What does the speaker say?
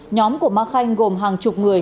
nhóm của ma khanh gồm hàng chục người